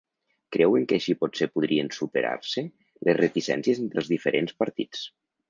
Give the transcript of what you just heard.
Creuen que així potser podrien superar-se les reticències entre els diferents partits.